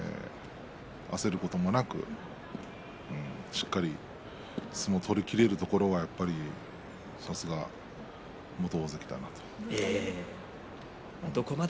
焦ることもなく、しっかり相撲が取りきれるところはさすが元大関だなっていう感じがします。